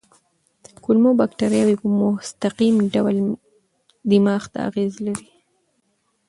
کولمو بکتریاوې په مستقیم ډول دماغ ته اغېز لري.